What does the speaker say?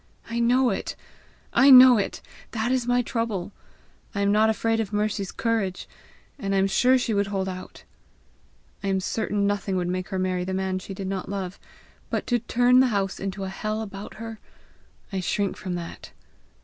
"I know it! I know it! That is my trouble! I am not afraid of Mercy's courage, and I am sure she would hold out. I am certain nothing would make her marry the man she did not love. But to turn the house into a hell about her I shrink from that!